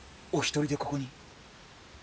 お一人でここに？